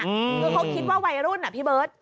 คือเขาคิดว่าวัยรุ่นพี่เบิร์ต